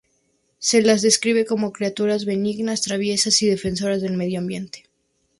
Se las describe como criaturas benignas, traviesas, y defensoras del medio ambiente.